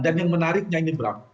dan yang menariknya ini berapa